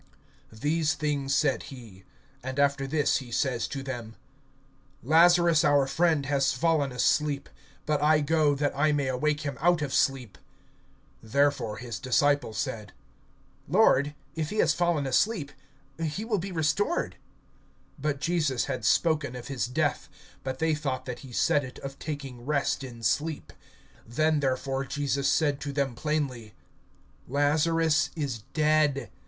(11)These things said he; and after this he says to them: Lazarus our friend has fallen asleep; but I go, that I may awake him out of sleep. (12)Therefore his disciples said: Lord if he has fallen asleep, he will be restored. (13)But Jesus had spoken of his death; but they thought that he said it of taking rest in sleep. (14)Then therefore Jesus said to them plainly: Lazarus is dead.